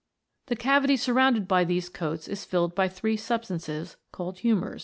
The cavity surrounded by these coats is filled by three substances, called humours.